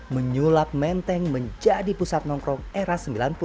menyulap menteng menjadi pusat nongkrong era sembilan puluh